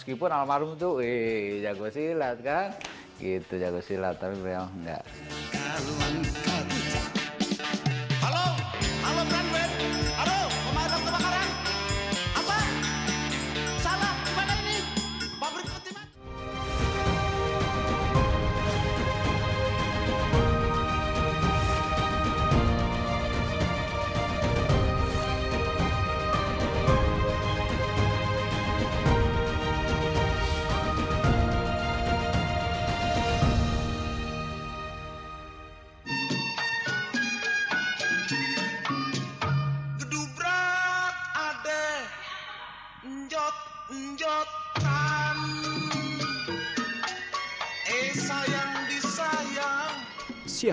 gimana sih lu agaknya